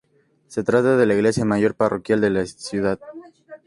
Se trata de la Iglesia Mayor Parroquial de la ciudad.